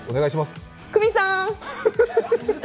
久美さーん！